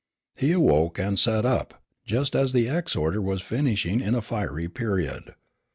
He awoke and sat up, just as the exhorter was finishing in a fiery period.